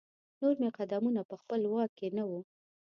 نور مې قدمونه په خپل واک کې نه وو.